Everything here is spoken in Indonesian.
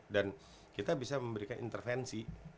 dan kita bisa memberikan intervensi